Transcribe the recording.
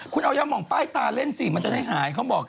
คุณเอายามองป้ายตาเล่นสิมันจะได้หายเขาบอก